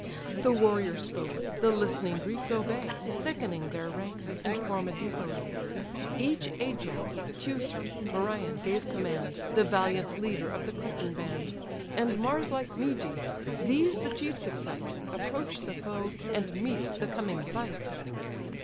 The warrior spoke; the listening Greeks obey, Thickening their ranks, and form a deep array. Each Ajax, Teucer, Merion gave command, The valiant leader of the Cretan band; And Mars like Meges: these the chiefs excite, Approach the foe, and meet the coming fight.